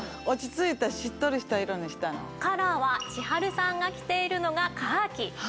カラーは千春さんが着ているのがカーキ。